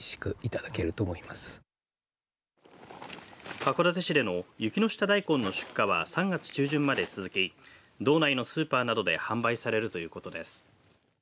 函館市での雪の下大根の出荷は３月中旬まで続き道内のスーパーなどで販売されるということです。